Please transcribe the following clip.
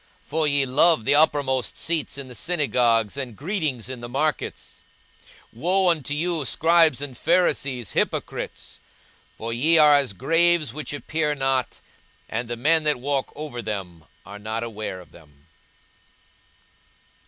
for ye love the uppermost seats in the synagogues, and greetings in the markets. 42:011:044 Woe unto you, scribes and Pharisees, hypocrites! for ye are as graves which appear not, and the men that walk over them are not aware of them.